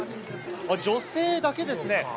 女性だけですね。